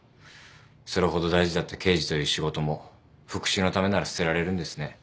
それほど大事だった刑事という仕事も復讐のためなら捨てられるんですね。